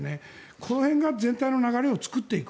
この辺が全体の流れを作っていく。